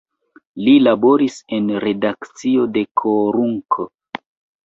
Li laboris en redakcio de "Korunk".